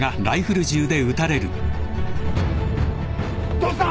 ・どうした！？